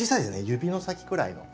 指の先くらいの。